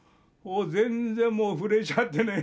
全然もう震えちゃってね。